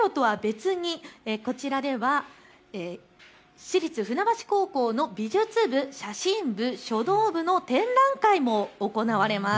それからその連携事業とは別にこちらでは市立船橋高校の美術部、写真部、書道部の展覧会も行われます。